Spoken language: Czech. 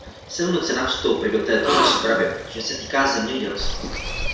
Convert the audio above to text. Jsem nucena vstoupit do této rozpravy, protože se týká zemědělství.